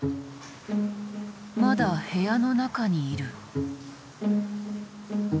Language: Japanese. まだ部屋の中にいる。